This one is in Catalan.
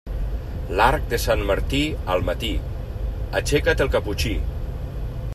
L'arc de Sant Martí al matí, aixeca't el caputxí.